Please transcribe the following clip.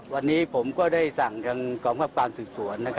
วันนี้ผมก็ได้สั่งยังกองคับการสืบสวน